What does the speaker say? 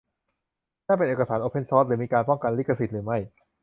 นั่นเป็นเอกสารโอเพนซอร์ซหรือมีการป้องกันลิขสิทธิ์หรือไม่